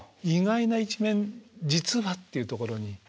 意外な一面実はっていうところに。